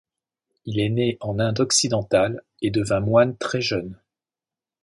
Il est né en Inde occidentale et devint moine très jeune.